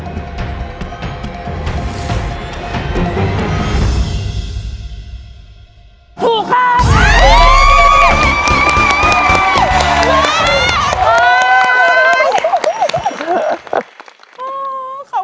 ถูกครับ